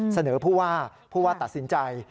เสนอผู้ว่าผู้ว่าตัดสินใจ